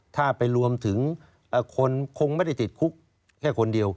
ถ้าไปรวมถึงคนคงไม่ได้ติดคุกแค่คนเดียว